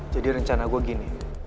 jadi rencana gua gini